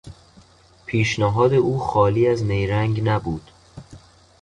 پیشنهاد او خالی از نیرنگ نبود.